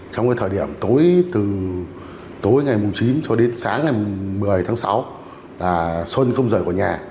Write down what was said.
trong cái thời điểm tối từ tối ngày chín cho đến sáng ngày một mươi tháng sáu là xuân không rời khỏi nhà